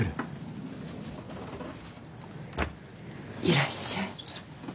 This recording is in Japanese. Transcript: いらっしゃい。